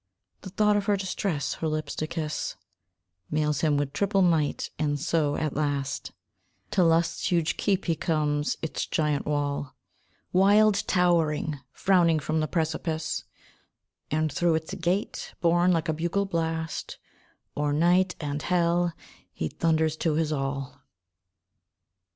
The thought of her distress, her lips to kiss, Mails him with triple might; and so at last To Lust's huge keep he comes; its giant wall, Wild towering, frowning from the precipice; And through its gate, borne like a bugle blast, O'er night and hell he thunders to his all.